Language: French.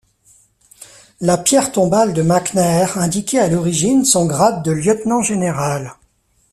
La pierre tombale de McNair indiquait à l'origine son grade de lieutenant-général.